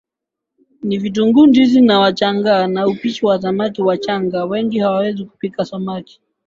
na vitunguuNdizi za Wachagga na upishi wa samaki Wachaga wengi hawawezi kupika samaki